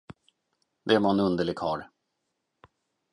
Det var en underlig karl.